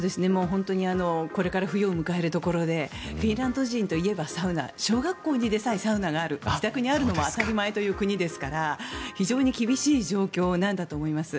本当にこれから冬を迎えるところでフィンランド人といえばサウナ小学校にでさえサウナがある自宅にあるのも当たり前という国ですから非常に厳しい状況なんだと思います。